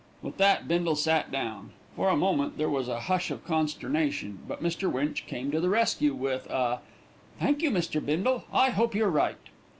With that Bindle sat down. For a moment there was a hush of consternation, but Mr. Winch came to the rescue with a "Thank you, Mr. Bindle, I hope you're right."